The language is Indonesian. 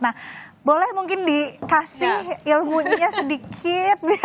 nah boleh mungkin dikasih ilmunya sedikit